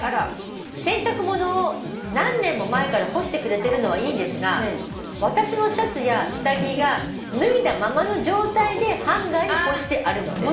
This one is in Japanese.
「洗濯物を何年も前から干してくれてるのはいいんですが私のシャツや下着が脱いだままの状態でハンガーに干してあるのです」